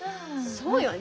そうよね。